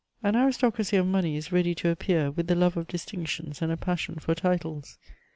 An aristocracy of money is ready to appear, ^th the love of distinctions and a passion m titles.